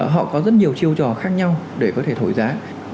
họ có rất nhiều chiêu trò khác nhau để có thể thổi giá